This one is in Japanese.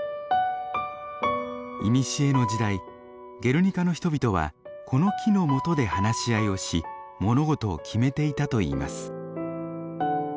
いにしえの時代ゲルニカの人々はこの木のもとで話し合いをし物事を決めていたといいます。